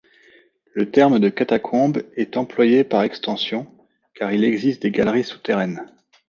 Le terme de catacombes est employé par extension, car il existe des galeries souterraines.